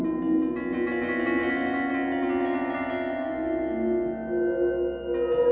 terima kasih bae